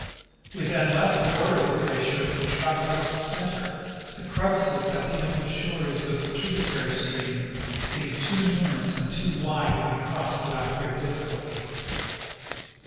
We then left the border of the glacier and traveled up its center, the crevasses at the embouchures of the tributary stream being too numerous and too wide to be crossed without great difficulty.